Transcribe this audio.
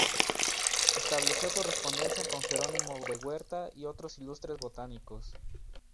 Estableció correspondencia con Gerónimo de Huerta y otros ilustres botánicos.